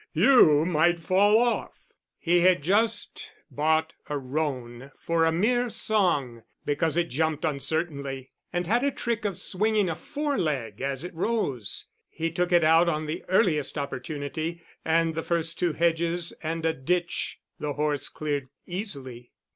You might fall off." He had just bought a roan for a mere song, because it jumped uncertainly, and had a trick of swinging a fore leg as it rose. He took it out on the earliest opportunity, and the first two hedges and a ditch the horse cleared easily.